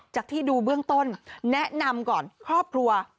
ที่ดูเบื้องต้นแนะนำก่อนครอบครัว